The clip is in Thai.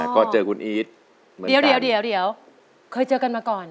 ก็เจอคุณอีทเหมือนกันเดี๋ยวเคยเจอกันมาก่อน